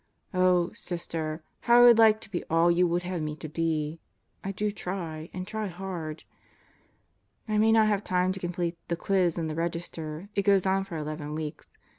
... Oh, Sister, how I would like to be all you would have me be I do try, and try hard. I may not have time to complete the "Quiz" in the Register. It goes on for 11 weeks.